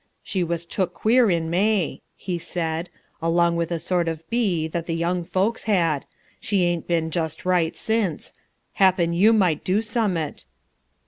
"She was took queer in May," he said, "along of a sort of bee that the young folks had; she ain't been just right since; happen you might do summat."